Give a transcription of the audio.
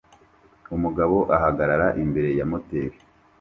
Umugabo ahagarara imbere ya moteri